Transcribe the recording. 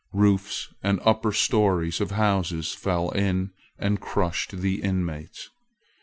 Roofs and upper stories of houses fell in, and crushed the inmates.